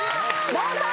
どうぞ！